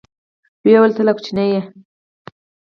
ويې ويل ته لا کوچنى يې.